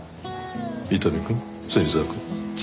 伊丹くん芹沢くん。